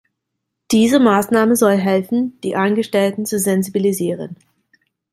Diese Maßnahme soll helfen, die Angestellten zu sensibilisieren.